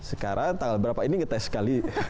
sekarang tanggal berapa ini ngetes sekali